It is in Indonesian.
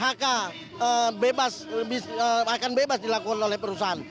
dan kemudian perusahaan yang akan bebas dilakukan oleh perusahaan